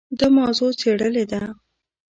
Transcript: دا موضوع څېړلې ده.